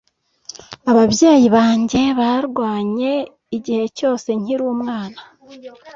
Ababyeyi banjye barwanye igihe cyose nkiri umwana.